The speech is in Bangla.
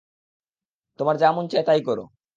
তোমার যা মন চাই তাই করো।